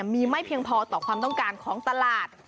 มีไม่เพียงพอต่อความต้องการของตลาด